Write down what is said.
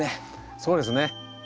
そうですね。